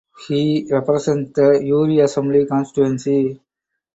He represents the Uri Assembly Constituency.